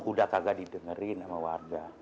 udah kagak didengerin sama warga